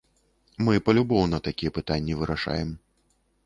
Мы палюбоўна такія пытанні вырашаем.